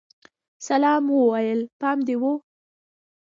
اسلام وويل پام دې و.